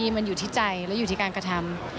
มันอยู่ที่ใจแล้วอยู่ที่การกระทำ